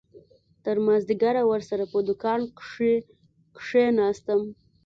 تر مازديگره ورسره په دوکان کښې کښېناستم.